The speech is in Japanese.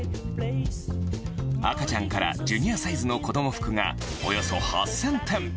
赤ちゃんからジュニアサイズの子ども服が、およそ８０００点。